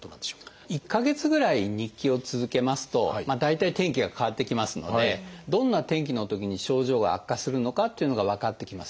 １か月ぐらい日記を続けますと大体天気が変わってきますのでどんな天気のときに症状が悪化するのかっていうのが分かってきますよね。